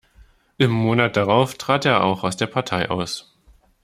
Im Monat darauf trat er auch aus der Partei aus.